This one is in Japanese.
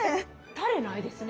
タレないですね。